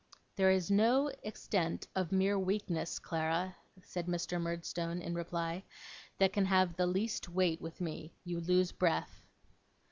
'There is no extent of mere weakness, Clara,' said Mr. Murdstone in reply, 'that can have the least weight with me. You lose breath.